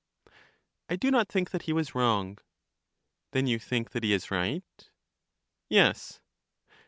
I do not think that he was wrong. Then you think that he is right? Yes.